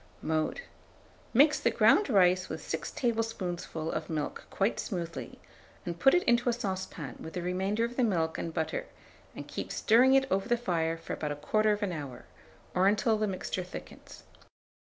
Mode. Mix the ground rice with 6 tablespoonfuls of the milk quite smoothly, and put it into a saucepan with the remainder of the milk and butter, and keep stirring it over the fire for about 1/4 hour, or until the mixture thickens.